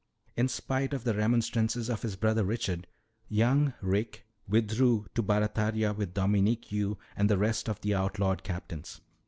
In spite of the remonstrances of his brother Richard, young Rick withdrew to Barataria with Dominque You and the rest of the outlawed captains.